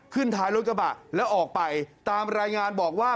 ท้ายรถกระบะแล้วออกไปตามรายงานบอกว่า